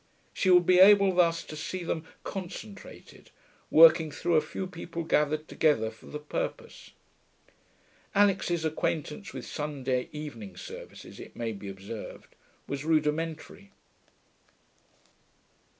She would be able thus to see them concentrated, working through a few people gathered together for the purpose. Alix's acquaintance with Sunday evening services, it may be observed, was rudimentary.